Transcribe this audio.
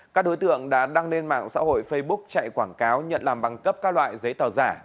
các đối tượng đã đăng lên mạng xã hội facebook chạy quảng cáo nhận làm bằng cấp các loại giấy tờ giả